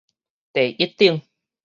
第一等